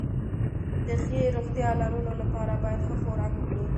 د ښې روغتيا لرلو لپاره بايد ښه خوراک وکړو